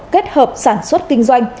kết hợp sản xuất kinh doanh